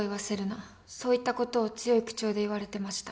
そういったことを強い口調で言われてました。